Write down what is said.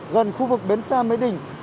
gần khu vực bến sa mới đỉnh